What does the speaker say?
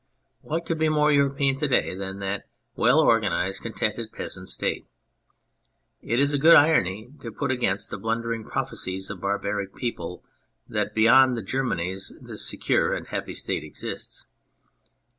What could be more European to day than that well organised, contented, peasant State ? It is a good irony to put against the blundering prophecies of barbaric people that beyond the Germanics this secure and happy State exists.